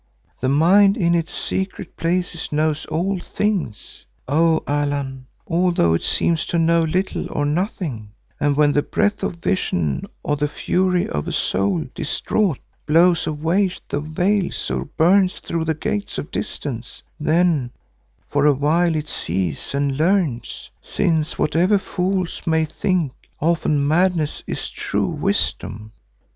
The mind in its secret places knows all things, O Allan, although it seems to know little or nothing, and when the breath of vision or the fury of a soul distraught blows away the veils or burns through the gates of distance, then for a while it sees and learns, since, whatever fools may think, often madness is true wisdom.